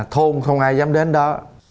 thôn không ai dám đến đó